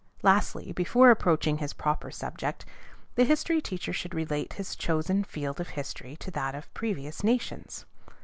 Lastly, before approaching his proper subject, the history teacher should relate his chosen field of history to that of previous nations.